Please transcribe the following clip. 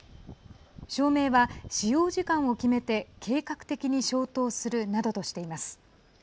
照明は使用時間を決めて計画的に消灯するなどとしています。